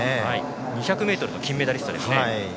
２００ｍの金メダリストですね。